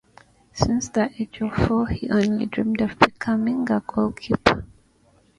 Since the age of four he only dreamed of becoming a goalkeeper.